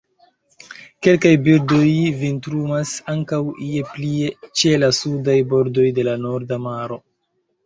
Kelkaj birdoj vintrumas ankaŭ ie plie ĉe la sudaj bordoj de la Norda Maro.